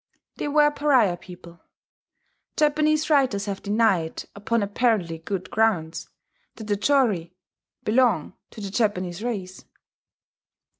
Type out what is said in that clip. They were pariah people: Japanese writers have denied, upon apparently good grounds, that the chori belong to the Japanese race.